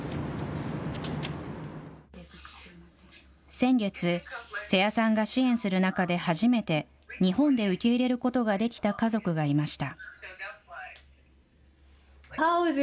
先月、瀬谷さんが支援する中で初めて、日本で受け入れることができた家族がいました。